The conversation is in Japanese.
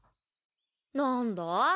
なんだ？